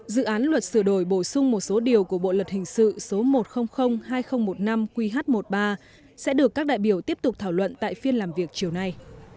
dự án luật sửa đổi bổ sung một số điều của bộ luật hình sự số một trăm linh hai nghìn một mươi năm qh một mươi ba sẽ được các đại biểu tiếp tục thảo luận tại phiên làm việc chiều nay